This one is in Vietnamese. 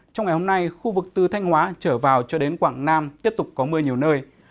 trong ngày hôm nay khu vực từ thanh hóa trở vào cho đến quảng nam tiếp tục có mưa nhiều nơi